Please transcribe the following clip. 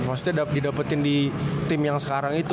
maksudnya didapetin di tim yang sekarang itu